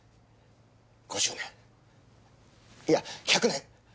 ５０年いや１００年。